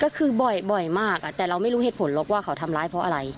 ก็คือบ่อยมากแต่เราไม่รู้เหตุผลหรอกว่าเขาทำร้ายเพราะอะไร